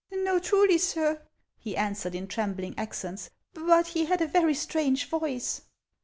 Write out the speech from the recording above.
" No, truly, sir," he answered, in trembling accents. " But he had a very strange voice."